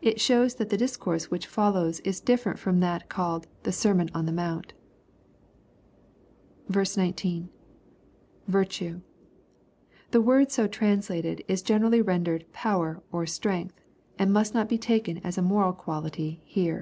It shows that the discourse which follows is different fix)m that called " the sermon on the mount." 19. — [T^Wmc] The word so translated is generally rendered "power," or "strength," and must not be taken as a moral quality here.